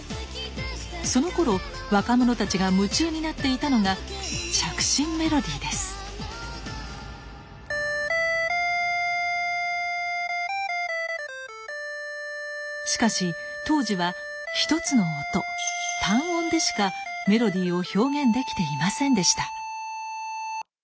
そのころ若者たちが夢中になっていたのがしかし当時は１つの音単音でしかメロディーを表現できていませんでした。